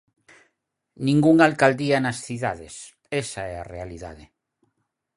Ningunha alcaldía nas cidades, esa é a realidade.